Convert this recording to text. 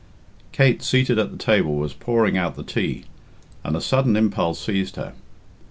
Kate, seated at the table, was pouring out the tea, and a sudden impulse seized her.